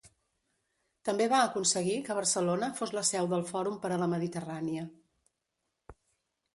També va aconseguir que Barcelona fos la seu del Fòrum per a la Mediterrània.